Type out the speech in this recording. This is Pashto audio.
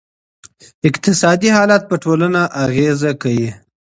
اقتصادي حالت په ټولنه اغېزه کوي.